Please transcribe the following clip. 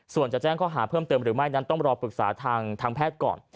ส่วนจะแจ้งข้อหาเพิ่มเติมหรือไม่นั้นต้องรอปรึกษาทางแพทย์ก่อน